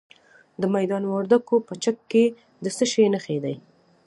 د میدان وردګو په چک کې د څه شي نښې دي؟